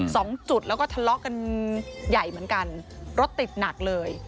สองจุดแล้วก็ทะเลาะกันใหญ่เหมือนกันรถติดหนักเลย